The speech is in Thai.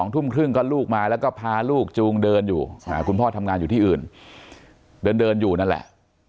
ทุ่มครึ่งก็ลูกมาแล้วก็พาลูกจูงเดินอยู่คุณพ่อทำงานอยู่ที่อื่นเดินอยู่นั่นแหละ